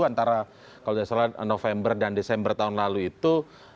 antara kalau tidak salah november dan desember tahun lalu itu